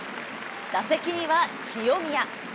打席には清宮。